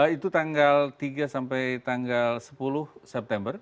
itu tanggal tiga sampai tanggal sepuluh september